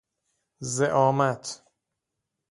زعامت